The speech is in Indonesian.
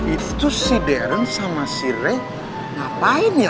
itu si deren sama si rey ngapain ya